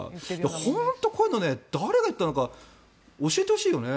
本当、こういうの誰が言ったのか教えてほしいよね。